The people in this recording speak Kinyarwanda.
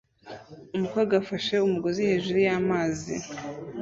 Umukobwa afashe umugozi hejuru y'amazi